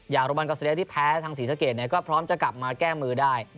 อย่างโรบันกอสเตรสที่แพ้ทางซีเซอร์เกจก็พร้อมจะกลับมาแก้มือได้